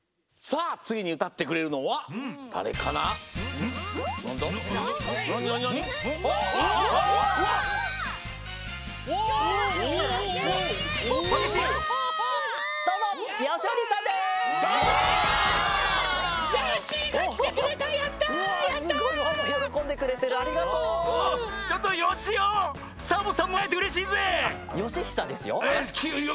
あよしひさですよ。